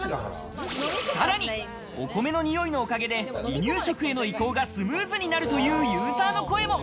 さらに、お米のにおいのおかげで離乳食への移行がスムーズになるというユーザーの声も。